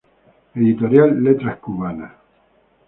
Editorial Letras Cubanas.